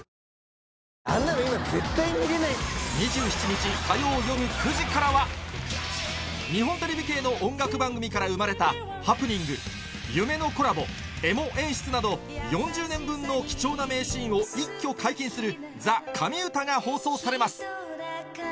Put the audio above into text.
日本テレビ系の音楽番組から生まれたハプニング夢のコラボエモ演出など４０年分の貴重な名シーンを一挙解禁する『ＴＨＥ神うた』が放送されます